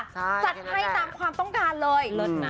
จัดให้ตามความต้องการเลย